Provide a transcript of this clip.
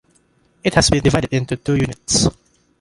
It has been divided into two units.